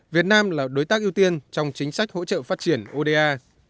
việt nam là đối tác ưu tiên trong chính sách hỗ trợ phát triển oda